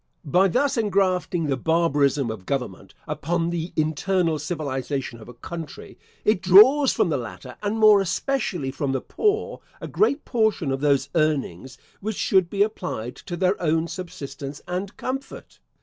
By thus engrafting the barbarism of government upon the internal civilisation of a country, it draws from the latter, and more especially from the poor, a great portion of those earnings, which should be applied to their own subsistence and comfort.